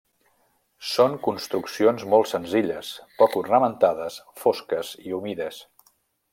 Són construccions molt senzilles, poc ornamentades, fosques i humides.